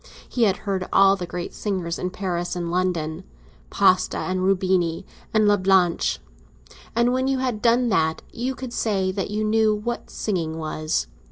He had heard all the great singers in Paris and London—Pasta and Rubini and Lablache—and when you had done that, you could say that you knew what singing was.